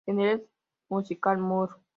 En el musical Mrs.